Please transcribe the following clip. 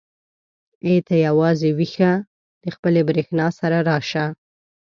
ای ته یوازې ويښه د خپلې برېښنا سره راشه.